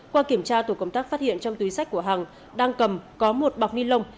qua kiểm tra tổ công tác phát hiện trong túi sách của hằng đang cầm có một bọc ni lông